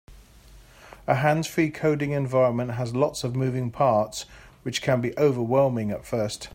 A hands-free coding environment has a lot of moving parts, which can be overwhelming at first.